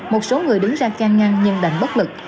một số người đứng ra can ngăn nhưng đành bất lực